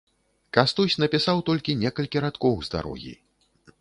Кастусь напісаў толькі некалькі радкоў з дарогі.